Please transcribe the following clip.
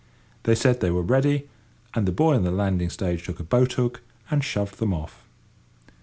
They said they were ready, and the boy on the landing stage took a boat hook and shoved him off.